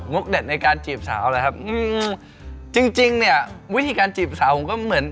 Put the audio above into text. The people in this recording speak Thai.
มุกเด็ดในการจีบสาวอะไรครับจริงเนี่ยวิธีการจีบสาวมันก็เหมือน